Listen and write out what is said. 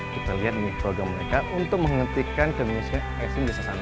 kita lihat nih program mereka untuk menghentikan kemiskinan ekstrim di sana